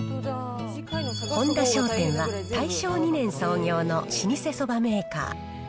本田商店は、大正２年創業の老舗そばメーカー。